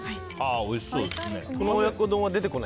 おいしそうですね。